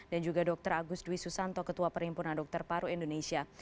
dan juga dr agus dwi susanto ketua perhimpunan dokter paru indonesia